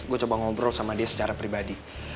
gue coba ngobrol sama dia secara pribadi